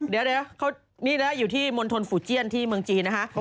เดี๋ยวนี่นะอยู่ที่มณฑลฝูเจียนที่เมืองจีนนะคะ